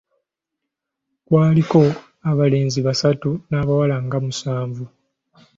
Kwaliko abalenzi basatu n’abawala nga musanvu.